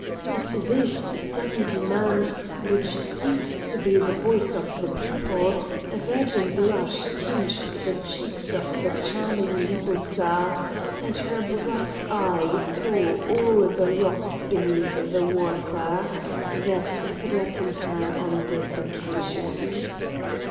At this sudden demand, which seemed to be the voice of the people, a virgin blush tinged the cheeks of the charming Libussa, and her bright eye saw all the rocks beneath the water, that threatened her on this occasion.